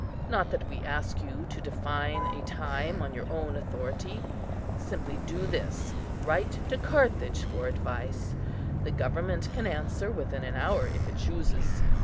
Not that we ask you to define a time on your own authority; simply do this, write to Carthage for advice. The government can answer within an hour, if it chooses.